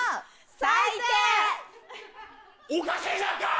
おかしいじゃんか！